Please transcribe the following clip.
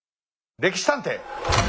「歴史探偵」！